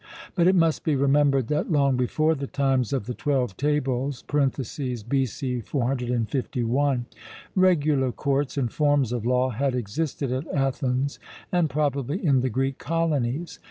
But it must be remembered that long before the times of the Twelve Tables (B.C. 451), regular courts and forms of law had existed at Athens and probably in the Greek colonies.